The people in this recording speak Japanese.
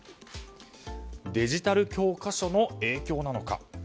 デジタル教科書の影響なのか。